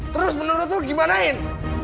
terus menurut lu gimanain